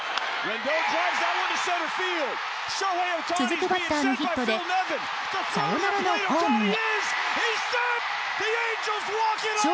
続くバッターのヒットでサヨナラのホームへ。